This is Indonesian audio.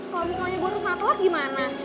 kalau ditanya gue harus matelat gimana